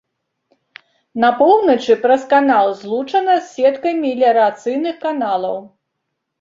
На поўначы праз канал злучана з сеткай меліярацыйных каналаў.